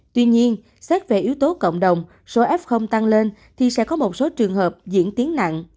tuy nhiên xét về yếu tố cộng đồng số f tăng lên thì sẽ có một số trường hợp diễn tiến nặng